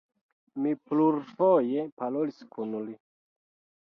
Mi plurfoje parolis kun li.